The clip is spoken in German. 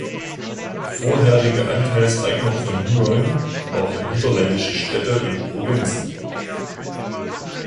Vorherige Anteilseigner von Nuon waren niederländische Städte und Provinzen.